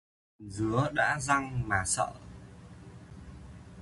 Mần rứa đã răng mà sợ